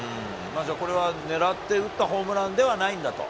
じゃあ、これはねらって打ったホームランではないと？